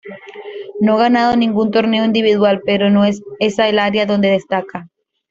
No ganado ningún torneo individual pero no es esa el área donde destaca.